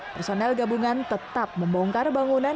personel gabungan tetap membongkar bangunan